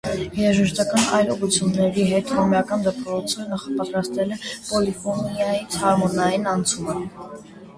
Երաժշտական այլ ուղղությունների հետ, հռոմեական դպրոցը նախապատրաստել է պոլիֆոնիայից հարմոնիային անցումը։